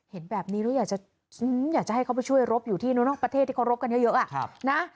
เห็นแบบนี้แล้วอยากจะให้เขาไปช่วยรบอยู่ที่นอกประเทศที่เขารบกันเยอะนะ